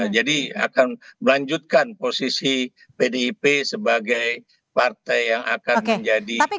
akan melanjutkan posisi pdip sebagai partai yang akan menjadi